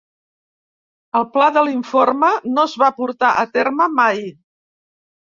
El pla de l'informe no es va portar a terme mai.